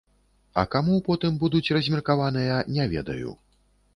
А каму потым будуць размеркаваныя, не ведаю.